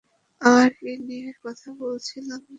আমরা কী নিয়ে কথা বলছিলাম যেন?